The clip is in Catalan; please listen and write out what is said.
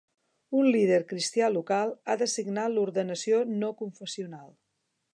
Un líder cristià local ha de signar l'ordenació no-confessional.